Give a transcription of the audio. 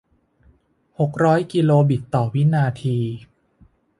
หกร้อยกิโลบิตต่อวินาที